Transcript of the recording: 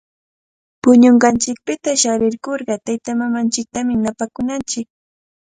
Puñunqanchikpita sharkurqa taytamamanchiktami napakunanchik.